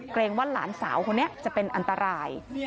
เกรงว่าหลานสาวคนนี้จะเป็นอันตราย